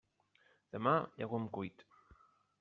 Demà, llegum cuit.